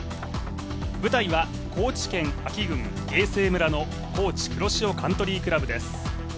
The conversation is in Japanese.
舞台は高知県安芸郡芸西村のＫｏｃｈｉ黒潮カントリークラブです。